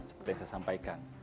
seperti yang saya sampaikan